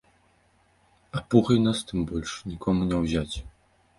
А пугай нас тым больш нікому не ўзяць!